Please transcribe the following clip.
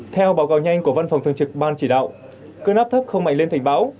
theo báo cáo nhanh của văn phòng thường trực ban chỉ đạo cơn áp thấp không mạnh lên thành bão